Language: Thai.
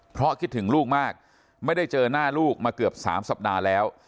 เพราะคิดถึงลูกมากไม่ได้เจอหน้าลูกมาเกือบ๓สัปดาห์แล้ว